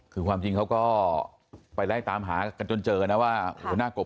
คือความจริงเขาก็ไปไล่ตามหากันจนเจอนะว่าหัวหน้ากบ